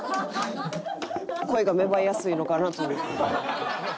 恋が芽生えやすいのかなと。